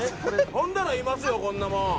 こんなのいますよこんなもん。